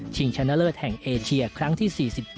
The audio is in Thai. ชนะเลิศแห่งเอเชียครั้งที่๔๗